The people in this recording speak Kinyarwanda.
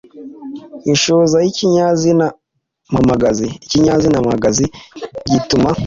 Inshoza y’ikinyazina mpamagazi: Ikinyazina mpamagazi gituma